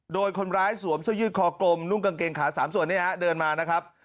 โดยคนร้ายสวมเสื้อยืดคอกลมนุ่งกางเกงขา๓ส่วนนี้ฮะเดินมานะครับ